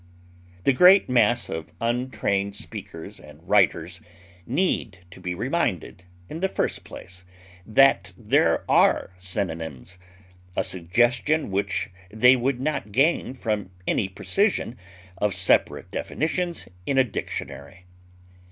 The great mass of untrained speakers and writers need to be reminded, in the first place, that there are synonyms a suggestion which they would not gain from any precision of separate definitions in a dictionary.